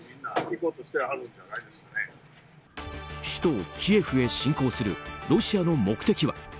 首都キエフへ侵攻するロシアの目的は？